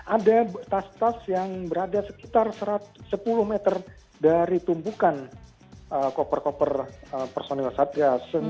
ada tas tas yang berada sekitar sepuluh meter dari tumpukan koper koper personil satgas